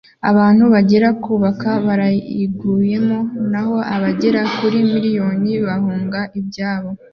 abantu bagera ku bakaba barayiguyemo naho abagera kuri miliyoni bahunga ibyabo